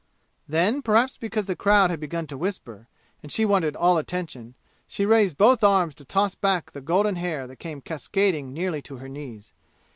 Then, perhaps because the crowd had begun to whisper, and she wanted all attention, she raised both arms to toss back the golden hair that came cascading nearly to her knees.